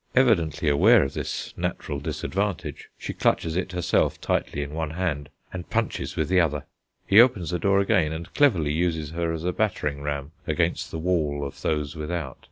Evidently aware of this natural disadvantage, she clutches it herself tightly in one hand, and punches with the other. He opens the door again, and cleverly uses her as a battering ram against the wall of those without.